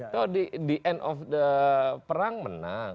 toh di end of the perang menang